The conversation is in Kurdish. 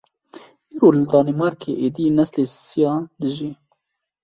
Îro li Danmarkê êdî neslî sisêya dijî!